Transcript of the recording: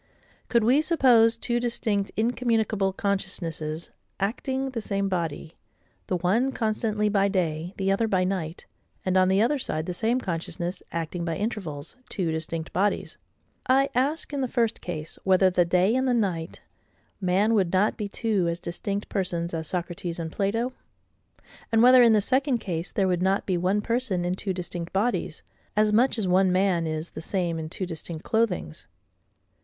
Could we suppose two distinct incommunicable consciousnesses acting the same body, the one constantly by day, the other by night; and, on the other side, the same consciousness, acting by intervals, two distinct bodies: I ask, in the first case, whether the day and the night—man would not be two as distinct persons as Socrates and Plato? And whether, in the second case, there would not be one person in two distinct bodies, as much as one man is the same in two distinct clothings?